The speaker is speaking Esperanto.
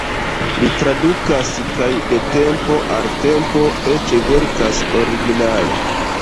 Li tradukas kaj de tempo al tempo eĉ verkas originale.